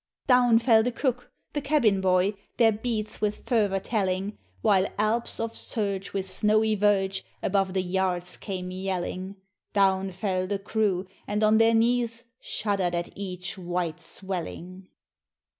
Down fell the cook the cabin boy, Their beads with fervor telling, While Alps of surge, with snowy verge, Above the yards came yelling. Down fell the crew, and on their knees Shudder'd at each white swelling!